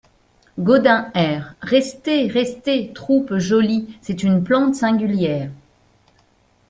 Gaudin Air : Restez, restez, troupe jolie C’est une plante singulière…